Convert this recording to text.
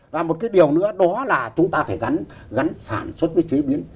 và một cái điều nữa đó là chúng ta phải gắn sản xuất với chế biến